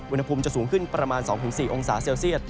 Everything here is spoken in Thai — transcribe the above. อุณหภูมิจะสูงขึ้นประมาณ๒๔องศาเซลเซียต